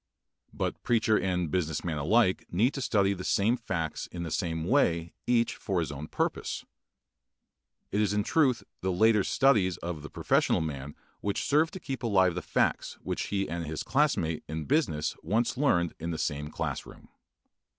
But preacher and business man alike need to study the same facts in the same way each for his own purpose. It is in truth the later studies of the professional man which serve to keep alive the facts which he and his classmate in business once learned in the same class room.